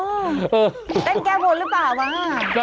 เต้นแก้บนหรือเปล่าวะ